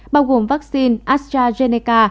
bao gồm vaccine astrazeneca